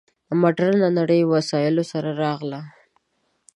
مډرنه نړۍ وسایلو سره راغله.